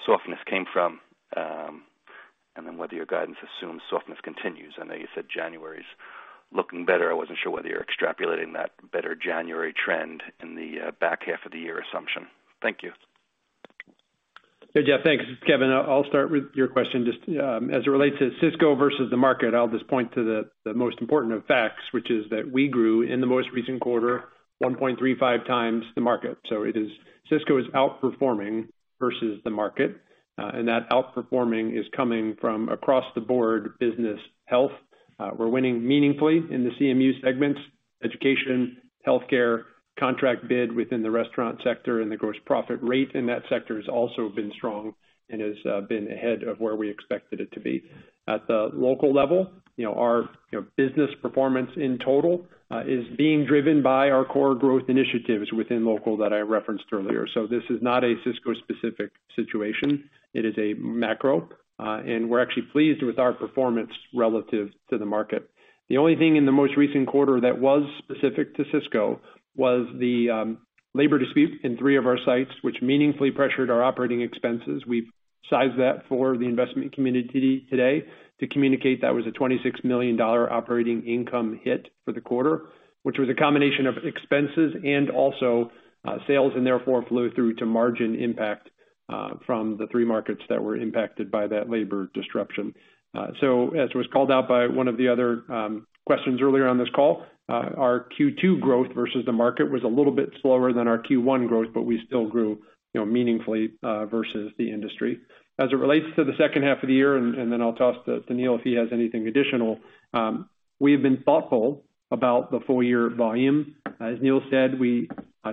softness came from, and then whether your guidance assumes softness continues. I know you said January's looking better. I wasn't sure whether you're extrapolating that better January trend in the back half of the year assumption. Thank you. Hey, Jeff. Thanks. It's Kevin. I'll start with your question. Just, as it relates to Sysco versus the market, I'll just point to the most important of facts, which is that we grew in the most recent quarter 1.35x the market. Sysco is outperforming versus the market, that outperforming is coming from across the board business health. We're winning meaningfully in the CMU segments, education, healthcare, contract bid within the restaurant sector, the gross profit rate in that sector has also been strong and has been ahead of where we expected it to be. At the local level, you know, our, you know, business performance in total, is being driven by our core growth initiatives within local that I referenced earlier. This is not a Sysco-specific situation. It is a macro, we're actually pleased with our performance relative to the market. The only thing in the most recent quarter that was specific to Sysco was the labor dispute in three of our sites, which meaningfully pressured our operating expenses. We've sized that for the investment community today to communicate that was a $26 million operating income hit for the quarter, which was a combination of expenses and also sales and therefore flow through to margin impact from the three markets that were impacted by that labor disruption. As was called out by one of the other questions earlier on this call, our Q2 growth versus the market was a little bit slower than our Q1 growth, but we still grew, you know, meaningfully versus the industry. As it relates to the second half of the year, and then I'll toss to Neil if he has anything additional. We have been thoughtful about the full year volume. As Neil said, we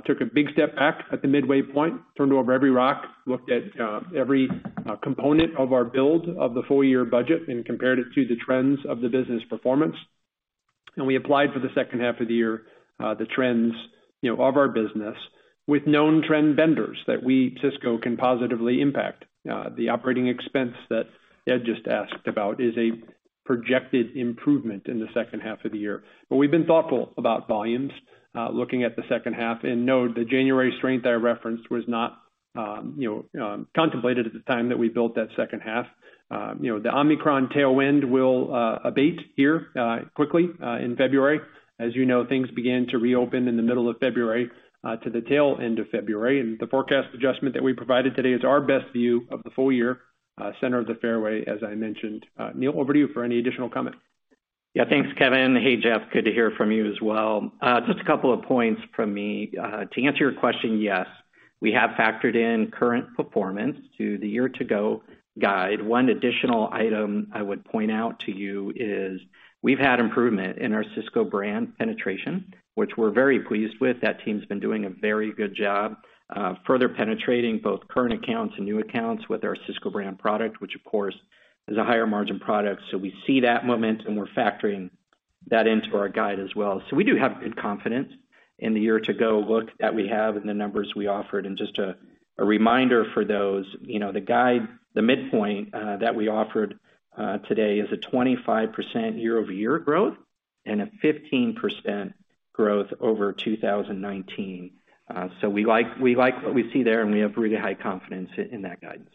took a big step back at the midway point, turned over every rock, looked at every component of our build of the full year budget and compared it to the trends of the business performance. We applied for the second half of the year, the trends, you know, of our business with known trend vendors that we, Sysco, can positively impact. The operating expense that Ed just asked about is a projected improvement in the second half of the year. We've been thoughtful about volumes, looking at the second half and know the January strength I referenced was not, you know, contemplated at the time that we built that second half. You know, the Omicron tailwind will abate here, quickly, in February. As you know, things begin to reopen in the middle of February, to the tail end of February. The forecast adjustment that we provided today is our best view of the full year, center of the fairway, as I mentioned. Neil, over to you for any additional comment. Yeah. Thanks, Kevin. Hey, Jeff, good to hear from you as well. Just a couple of points from me. To answer your question, yes, we have factored in current performance to the year to go guide. One additional item I would point out to you is we've had improvement in our Sysco Brand penetration, which we're very pleased with. That team's been doing a very good job, further penetrating both current accounts and new accounts with our Sysco Brand product, which of course is a higher margin product. We see that momentum, and we're factoring that into our guide as well. We do have good confidence in the year to go look that we have and the numbers we offered. Just a reminder for those, you know, the guide, the midpoint, that we offered today is a 25% year-over-year growth and a 15% growth over 2019. We like what we see there, and we have really high confidence in that guidance.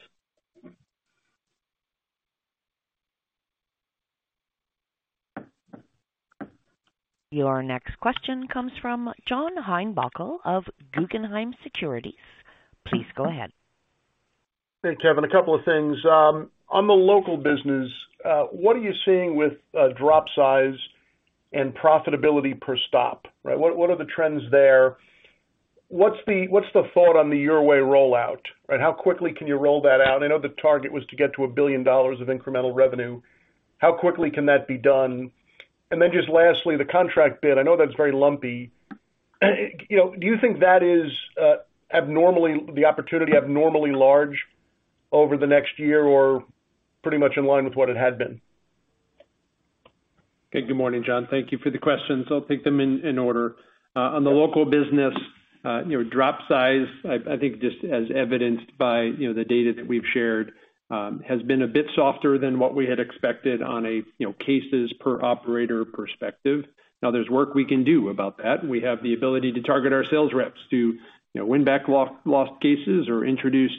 Your next question comes from John Heinbockel of Guggenheim Securities. Please go ahead. Hey, Kevin. A couple of things. On the local business, what are you seeing with drop size and profitability per stop? Right. What are the trends there? What's the thought on the Your Way rollout? Right. How quickly can you roll that out? I know the target was to get to $1 billion of incremental revenue. How quickly can that be done? Just lastly, the contract bid. I know that's very lumpy. You know, do you think that is the opportunity abnormally large over the next year or pretty much in line with what it had been? Okay. Good morning, John. Thank you for the questions. I'll take them in order. On the local business, you know, drop size, I think just as evidenced by, you know, the data that we've shared, has been a bit softer than what we had expected on a, you know, cases per operator perspective. Now, there's work we can do about that. We have the ability to target our sales reps to, you know, win back lost cases or introduce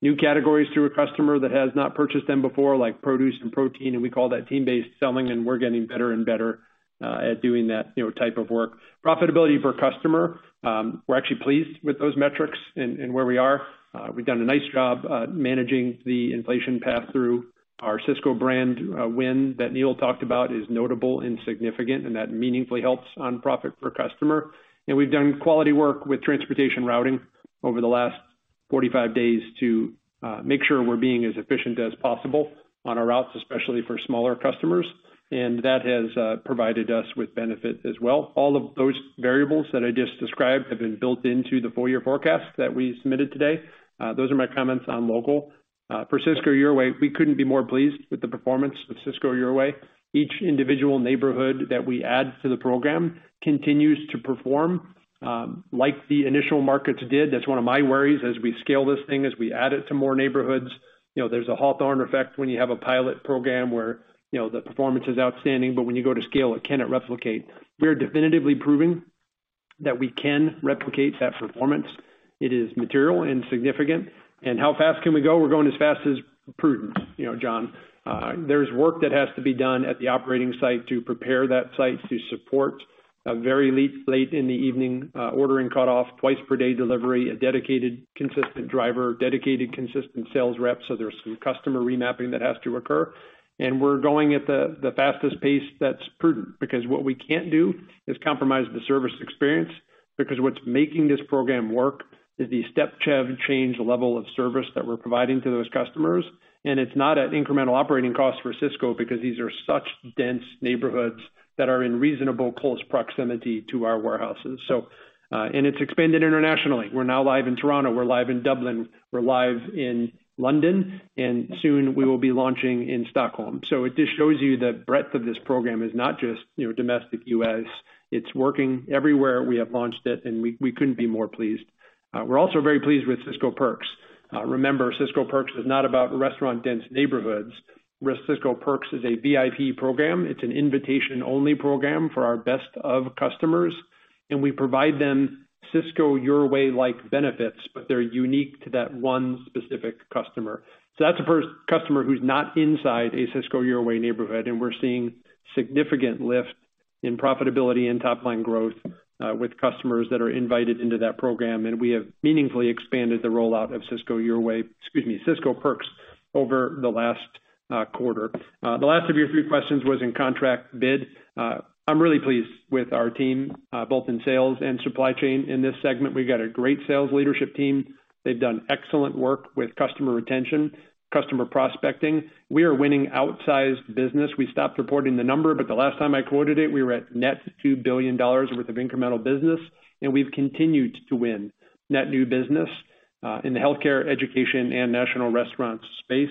new categories to a customer that has not purchased them before, like produce and protein, and we call that team-based selling, and we're getting better and better at doing that, you know, type of work. Profitability per customer, we're actually pleased with those metrics and where we are. We've done a nice job managing the inflation pass-through. Our Sysco Brand win that Neil talked about is notable and significant, that meaningfully helps on profit per customer. We've done quality work with transportation routing over the last 45 days to make sure we're being as efficient as possible on our routes, especially for smaller customers. That has provided us with benefits as well. All of those variables that I just described have been built into the full year forecast that we submitted today. Those are my comments on local. For Sysco Your Way, we couldn't be more pleased with the performance of Sysco Your Way. Each individual neighborhood that we add to the program continues to perform like the initial markets did. That's one of my worries as we scale this thing, as we add it to more neighborhoods. You know, there's a Hawthorne effect when you have a pilot program where, you know, the performance is outstanding, but when you go to scale it, can it replicate? We are definitively proving that we can replicate that performance. It is material and significant. How fast can we go? We're going as fast as prudent, you know, John. There's work that has to be done at the operating site to prepare that site to support a very late in the evening, ordering cutoff, twice per day delivery, a dedicated consistent driver, dedicated consistent sales rep. There's some customer remapping that has to occur. We're going at the fastest pace that's prudent because what we can't do is compromise the service experience because what's making this program work is the step change level of service that we're providing to those customers. It's not an incremental operating cost for Sysco because these are such dense neighborhoods that are in reasonable close proximity to our warehouses. It's expanded internationally. We're now live in Toronto, we're live in Dublin, we're live in London, and soon we will be launching in Stockholm. It just shows you the breadth of this program is not just, you know, domestic U.S. It's working everywhere we have launched it, and we couldn't be more pleased. We're also very pleased with Sysco Perks. Remember, Sysco Perks is not about restaurant dense neighborhoods. Sysco Perks is a VIP program. It's an invitation-only program for our best of customers, and we provide them Sysco Your Way like benefits, but they're unique to that one specific customer. That's a customer who's not inside a Sysco Your Way neighborhood, we're seeing significant lift in profitability and top line growth with customers that are invited into that program. We have meaningfully expanded the rollout of Sysco Your Way, excuse me, Sysco Perks over the last quarter. The last of your few questions was in contract bid. I'm really pleased with our team, both in sales and supply chain in this segment. We've got a great sales leadership team. They've done excellent work with customer retention, customer prospecting. We are winning outsized business. We stopped reporting the number, but the last time I quoted it, we were at net $2 billion worth of incremental business, and we've continued to win net new business in the healthcare, education, and national restaurants space.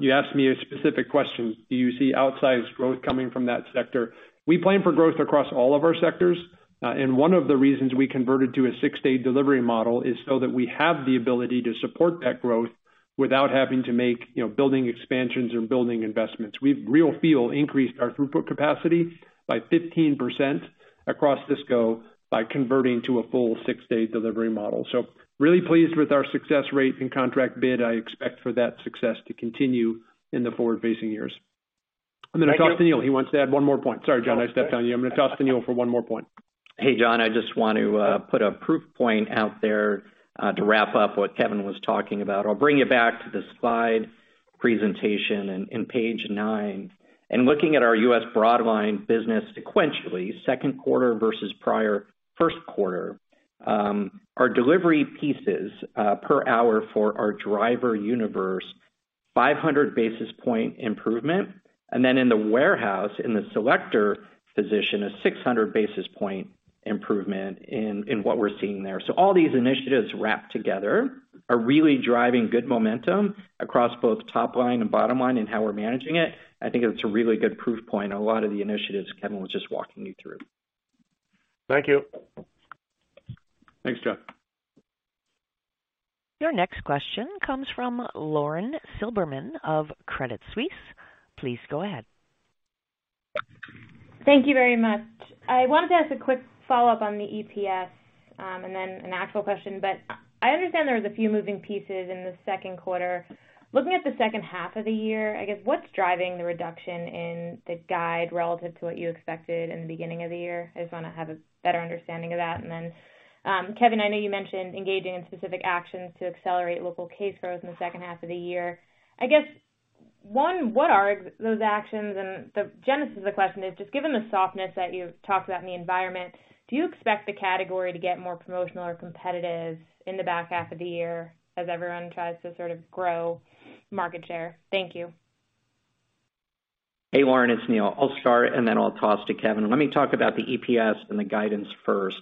You asked me a specific question. Do you see outsized growth coming from that sector? We plan for growth across all of our sectors. One of the reasons we converted to a six-day delivery model is so that we have the ability to support that growth without having to make, you know, building expansions or building investments. We've real feel increased our throughput capacity by 15% across Sysco by converting to a full six-day delivery model. Really pleased with our success rate and contract bid. I expect for that success to continue in the forward-facing years. Thank you. I'm going to toss to Neil. He wants to add one more point. Sorry, John, I stepped on you. I'm going to toss to Neil for one more point. John, I just want to put a proof point out there to wrap up what Kevin was talking about. I'll bring you back to the slide presentation in page nine. Looking at our U.S. Broadline business sequentially, second quarter versus prior first quarter, our delivery pieces per hour for our driver universe, 500 basis point improvement. In the warehouse, in the selector position, a 600 basis point improvement in what we're seeing there. All these initiatives wrapped together are really driving good momentum across both top line and bottom line in how we're managing it. I think it's a really good proof point on a lot of the initiatives Kevin was just walking you through. Thank you. Thanks, John. Your next question comes from Lauren Silberman of Credit Suisse. Please go ahead. Thank you very much. I wanted to ask a quick follow-up on the EPS, and then an actual question. I understand there was a few moving pieces in the second quarter. Looking at the second half of the year, I guess, what's driving the reduction in the guide relative to what you expected in the beginning of the year? I just want to have a better understanding of that. Kevin, I know you mentioned engaging in specific actions to accelerate local case growth in the second half of the year. I guess, one, what are those actions? The genesis of the question is, just given the softness that you've talked about in the environment, do you expect the category to get more promotional or competitive in the back half of the year as everyone tries to sort of grow market share? Thank you. Hey, Lauren, it's Neil. I'll start and I'll toss to Kevin. Let me talk about the EPS and the guidance first.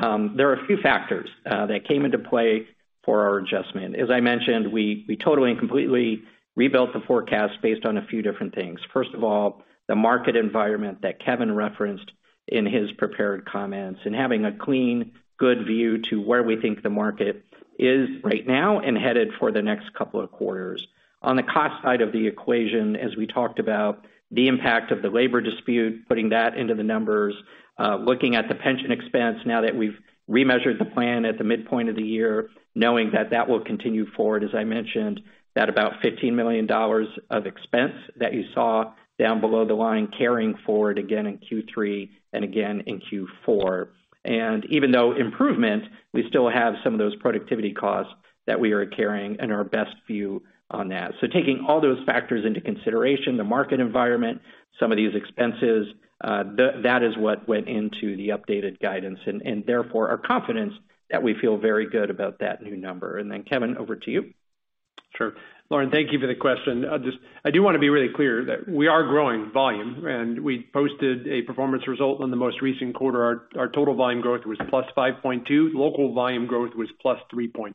There are a few factors that came into play for our adjustment. As I mentioned, we totally and completely rebuilt the forecast based on a few different things. First of all, the market environment that Kevin referenced in his prepared comments having a clean, good view to where we think the market is right now and headed for the next couple of quarters. On the cost side of the equation, as we talked about the impact of the labor dispute, putting that into the numbers, looking at the pension expense now that we've remeasured the plan at the midpoint of the year, knowing that that will continue forward. As I mentioned, that about $15 million of expense that you saw down below the line carrying forward again in Q3 and again in Q4. Even though improvement, we still have some of those productivity costs that we are carrying and our best view on that. Taking all those factors into consideration, the market environment, some of these expenses, that is what went into the updated guidance and therefore our confidence that we feel very good about that new number. Then Kevin, over to you. Sure. Lauren, thank you for the question. I do want to be really clear that we are growing volume and we posted a performance result on the most recent quarter. Our total volume growth was +5.2. Local volume growth was +3.2.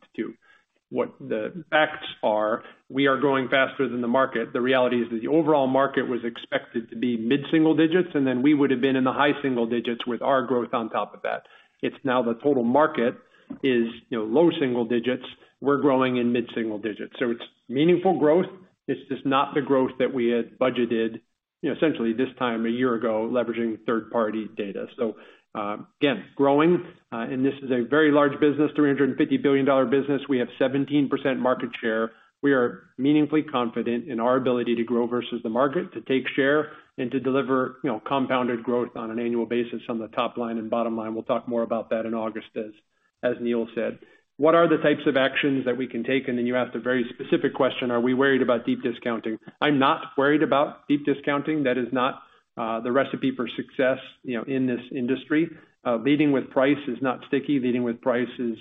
What the facts are, we are growing faster than the market. The reality is that the overall market was expected to be mid-single digits, and then we would have been in the high single digits with our growth on top of that. It's now the total market is, you know, low single digits. We're growing in mid-single digits. It's meaningful growth. It's just not the growth that we had budgeted. Essentially this time a year ago, leveraging third party data. Again, growing, and this is a very large business, $350 billion business. We have 17% market share. We are meaningfully confident in our ability to grow versus the market, to take share and to deliver, you know, compounded growth on an annual basis on the top line and bottom line. We'll talk more about that in August, as Neil said. What are the types of actions that we can take? You asked a very specific question, are we worried about deep discounting? I'm not worried about deep discounting. That is not the recipe for success, you know, in this industry. Leading with price is not sticky. Leading with price is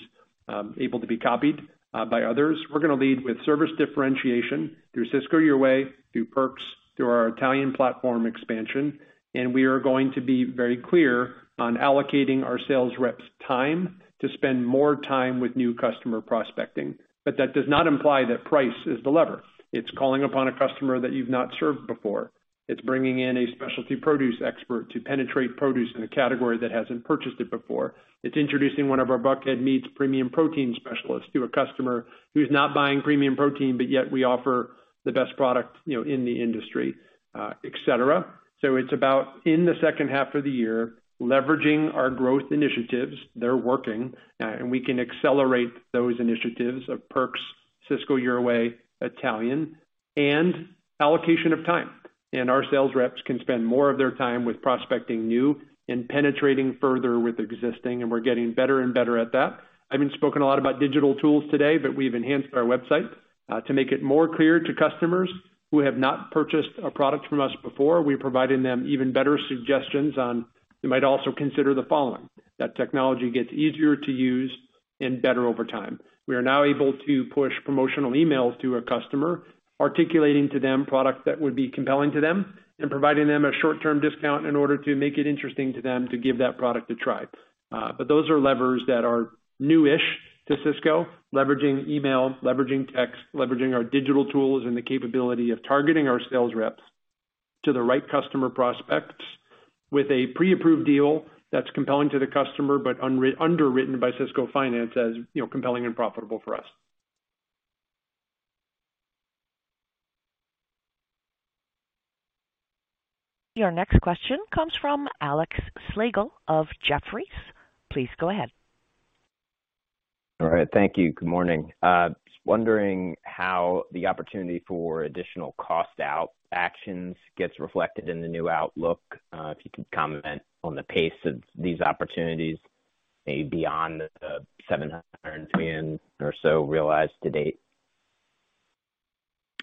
able to be copied by others. We're going to lead with service differentiation through Sysco Your Way, through Perks, through our Italian platform expansion. We are going to be very clear on allocating our sales reps time to spend more time with new customer prospecting. That does not imply that price is the lever. It's calling upon a customer that you've not served before. It's bringing in a specialty produce expert to penetrate produce in a category that hasn't purchased it before. It's introducing one of our Buckhead Meats premium protein specialists to a customer who's not buying premium protein, but yet we offer the best product, you know, in the industry, et cetera. It's about in the second half of the year, leveraging our growth initiatives, they're working, and we can accelerate those initiatives of Perks, Sysco Your Way, Italian, and allocation of time. Our sales reps can spend more of their time with prospecting new and penetrating further with existing, and we're getting better and better at that. I haven't spoken a lot about digital tools today, but we've enhanced our website to make it more clear to customers who have not purchased a product from us before. We've provided them even better suggestions on, you might also consider the following. That technology gets easier to use and better over time. We are now able to push promotional emails to a customer, articulating to them product that would be compelling to them and providing them a short term discount in order to make it interesting to them to give that product a try. Those are levers that are new-ish to Sysco. Leveraging email, leveraging text, leveraging our digital tools and the capability of targeting our sales reps to the right customer prospects with a pre-approved deal that's compelling to the customer, but underwritten by Sysco Finance as, you know, compelling and profitable for us. Your next question comes from Alex Slagle of Jefferies. Please go ahead. All right, thank you. Good morning. Just wondering how the opportunity for additional cost out actions gets reflected in the new outlook. If you could comment on the pace of these opportunities maybe beyond the $700 million or so realized to date.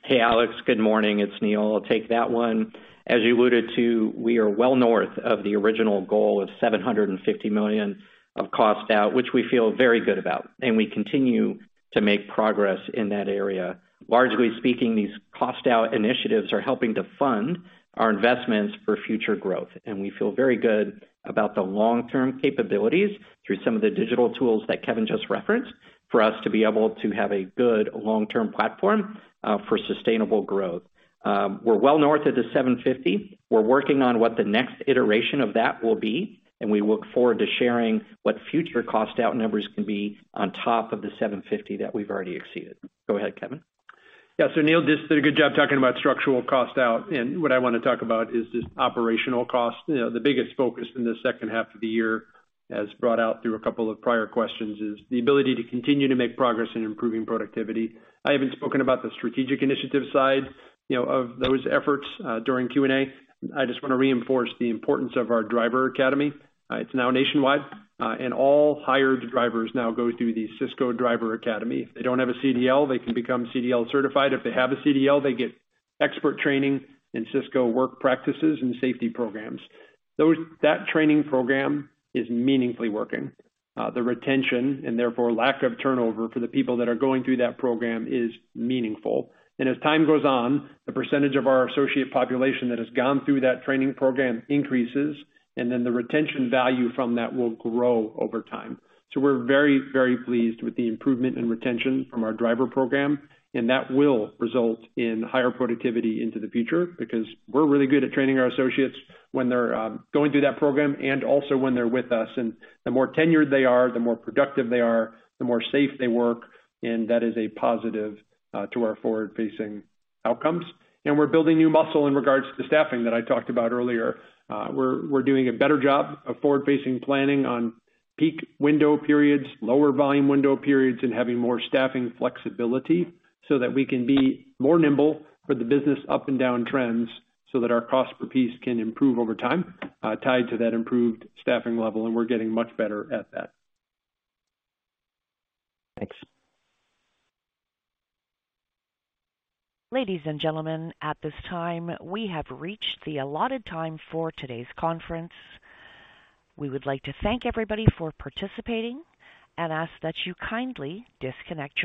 Hey, Alex. Good morning. It's Neil. I'll take that one. As you alluded to, we are well north of the original goal of $750 million of cost out, which we feel very good about. We continue to make progress in that area. Largely speaking, these cost out initiatives are helping to fund our investments for future growth. We feel very good about the long-term capabilities through some of the digital tools that Kevin just referenced, for us to be able to have a good long-term platform for sustainable growth. We're well north of the $750. We're working on what the next iteration of that will be. We look forward to sharing what future cost out numbers can be on top of the $750 that we've already exceeded. Go ahead, Kevin. Neil just did a good job talking about structural cost out. What I want to talk about is just operational cost. You know, the biggest focus in the second half of the year, as brought out through a couple of prior questions, is the ability to continue to make progress in improving productivity. I haven't spoken about the strategic initiative side, you know, of those efforts, during Q&A. I just want to reinforce the importance of our Driver Academy. It's now nationwide, and all hired drivers now go through the Sysco Driver Academy. If they don't have a CDL, they can become CDL certified. If they have a CDL, they get expert training in Sysco work practices and safety programs. That training program is meaningfully working. The retention and therefore lack of turnover for the people that are going through that program is meaningful. As time goes on, the percentage of our associate population that has gone through that training program increases, and then the retention value from that will grow over time. We're very, very pleased with the improvement in retention from our driver program, and that will result in higher productivity into the future because we're really good at training our associates when they're going through that program and also when they're with us. The more tenured they are, the more productive they are, the more safe they work. That is a positive to our forward-facing outcomes. We're building new muscle in regards to staffing that I talked about earlier. We're doing a better job of forward-facing planning on peak window periods, lower volume window periods, and having more staffing flexibility so that we can be more nimble for the business up and down trends so that our cost per piece can improve over time, tied to that improved staffing level. We're getting much better at that. Thanks. Ladies and gentlemen, at this time, we have reached the allotted time for today's conference. We would like to thank everybody for participating and ask that you kindly disconnect your lines.